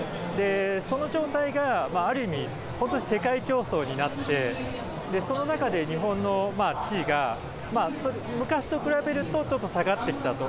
その状態が、ある意味、本当に世界競争になって、その中で日本の地位が昔と比べると、ちょっと下がってきたと。